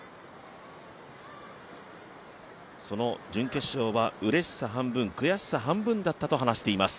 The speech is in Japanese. その準決勝はうれしさ半分、悔しさ半分だったと話しています。